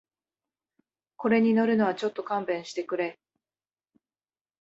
これに乗るのはちょっと勘弁してくれ